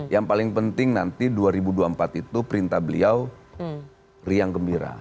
yang paling penting nanti dua ribu dua puluh empat itu perintah beliau riang gembira